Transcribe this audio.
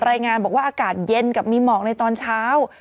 รายงานบอกว่าอากาศเย็นกับมีหมอกในตอนเช้า